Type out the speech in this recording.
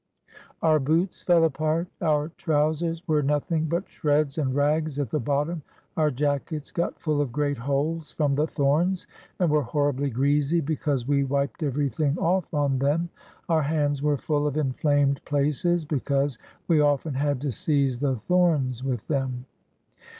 Our boots fell apart; our trousers were nothing but shreds and rags at the bottom; our jackets got full of great holes from the thorns and were horribly greasy because we wiped everything off on them; our hands were full of inflamed places because we often had to seize the thorns with them.